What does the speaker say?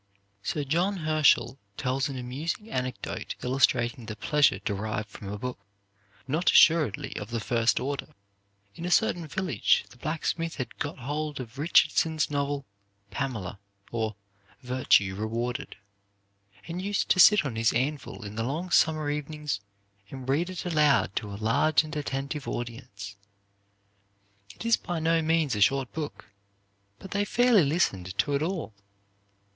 Sir John Herschel tells an amusing anecdote illustrating the pleasure derived from a book, not assuredly of the first order. In a certain village the blacksmith had got hold of Richardson's novel "Pamela, or Virtue Rewarded," and used to sit on his anvil in the long summer evenings and read it aloud to a large and attentive audience. It is by no means a short book, but they fairly listened to it all.